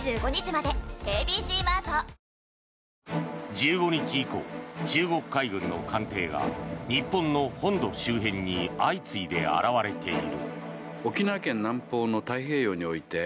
１５日以降、中国海軍の艦艇が日本の本土周辺に相次いで現れている。